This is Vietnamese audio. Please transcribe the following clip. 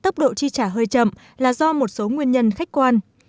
chi trả hơi chậm là do một số nguyên nhân khách quan